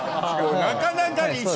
なかなか。